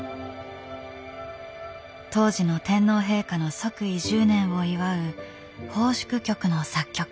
当時の天皇陛下の即位１０年を祝う奉祝曲の作曲依頼。